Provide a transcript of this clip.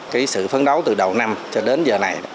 cái sự phấn đấu từ đầu năm cho đến giờ này